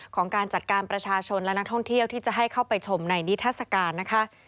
การจัดการประชาชนและนักท่องเที่ยวที่จะให้เข้าไปชมในนิทัศกาลนะคะ